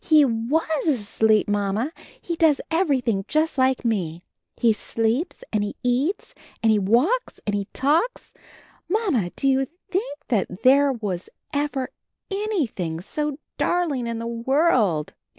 "He was asleep. Mamma. He does everything just like me. He sleeps and he eats and he walks and he talks — Mamma, did you think that there was ever anything so darling in the world?